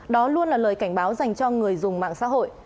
đó luôn là lời cảnh báo dành cho người dùng mạng xã hội